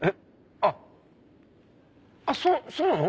あっあっそうなの？